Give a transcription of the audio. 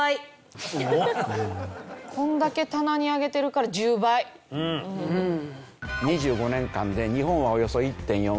こんだけ棚に上げてるから２５年間で日本はおよそ１．４倍。